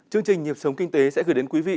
chương trình nhịp sống kinh tế sẽ gửi đến quý vị